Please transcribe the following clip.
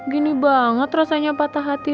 gini banget rasanya patah hati